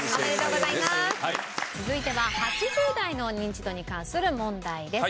続いては８０代のニンチドに関する問題です。